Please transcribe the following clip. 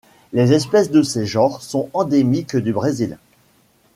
Les espèces de ses genres sont endémiques du Brésil.